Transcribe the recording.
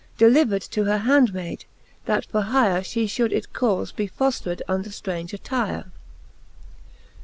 Delivered to her handmayd, that for hyre She fliould it caufe be foftred under ftraunge attyre.